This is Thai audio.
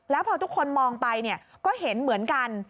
แล้วพอทุกคนมองไปก็เห็นเหมือนกัน